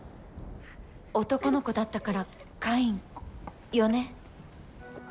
男の子だったからカインよね。